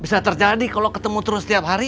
bisa terjadi kalo ketemu terus tiap hari